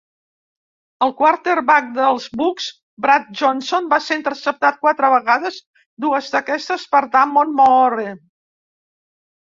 El quarterback dels Bucs, Brad Johnson, va ser interceptat quatre vegades, dues d'aquestes per Damon Moore.